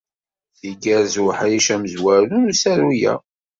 Igerrez uḥric amezwaru n usaru-a.